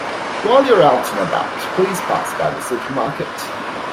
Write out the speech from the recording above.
While you're out and about, please pass by the supermarket.